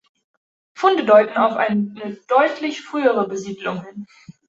Funde deuten auf eine deutlich frühere Besiedlung hin.